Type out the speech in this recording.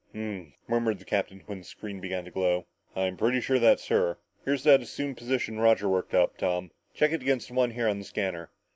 "Ummmh!" murmured the captain when the screen began to glow. "I'm pretty sure that's her. Here's that assumed position Roger worked up, Tom. Check it against this one here on the scanner."